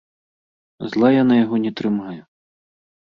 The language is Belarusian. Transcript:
Зла я на яго не трымаю.